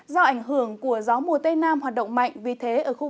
do ảnh hưởng của gió mùa tây nam hoạt động mạnh